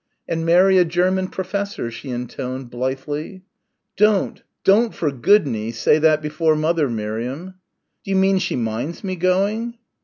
"And marry a German professor," she intoned blithely. "Don't don't for goodney say that before mother, Miriam." "D'you mean she minds me going?"